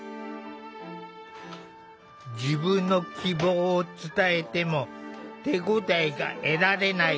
自分の希望を伝えても手応えが得られない。